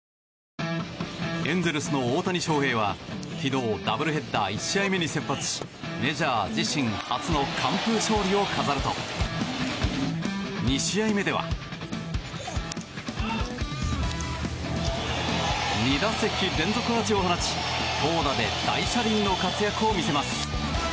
エンゼルスの大谷翔平は昨日ダブルヘッダー１試合目に先発しメジャー自身初の完封勝利を飾ると２試合目では２打席連続アーチを放ち投打で大車輪の活躍を見せます。